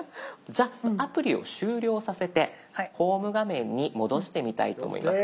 じゃあアプリを終了させてホーム画面に戻してみたいと思います。